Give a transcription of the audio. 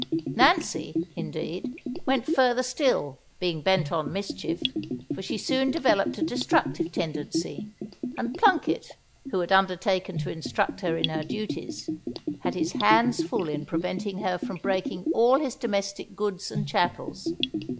Nancy, indeed, went further still, being bent on mischief, for she soon developed a destructive tendency; and Plunket, who had undertaken to instruct her in her duties, had his hands full in preventing her from breaking all his domestic goods and chattels.